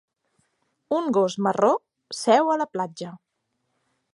Un gos marró seu a la platja.